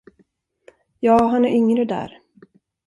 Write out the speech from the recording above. Ja, han är yngre där.